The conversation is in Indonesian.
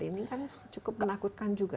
ini kan cukup menakutkan juga